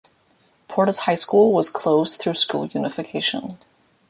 Portis High School was closed through school unification.